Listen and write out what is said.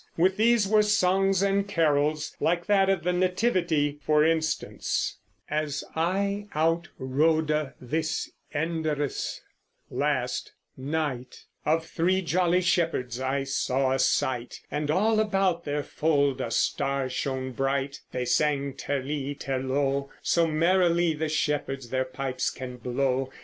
With these were songs and carols, like that of the Nativity, for instance: As I out rode this enderes (last) night, Of three jolly shepherds I saw a sight, And all about their fold a star shone bright; They sang terli terlow, So merryly the shepherds their pipes can blow.